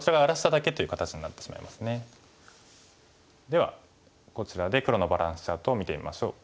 ではこちらで黒のバランスチャートを見てみましょう。